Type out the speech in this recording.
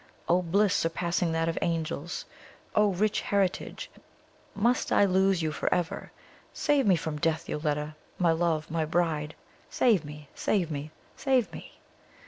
O bliss surpassing that of the angels! O rich heritage, must I lose you for ever! Save me from death, Yoletta, my love, my bride save me save me save me!